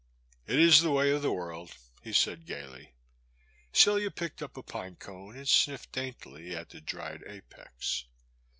It is the way of the world," he said gaily. Celia picked up a pine cone and sniffed daintily at the dried apex.